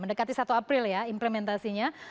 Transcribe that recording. mendekati satu april ya implementasinya